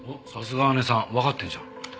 おっさすが姐さんわかってるじゃん。